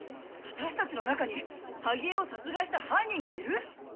私達の中に萩江を殺害した犯人がいる！？